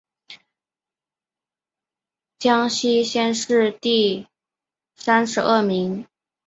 江西乡试第三十二名。